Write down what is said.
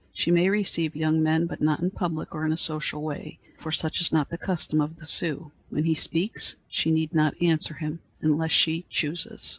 She may receive young men, but not in public or in a social way, for such is not the custom of the Sioux. When he speaks, she need not answer him unless she chooses.